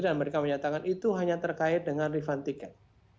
dan mereka menyatakan itu hanya terkait dengan refund tiket